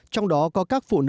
trong đó có các phụ nữ việt nam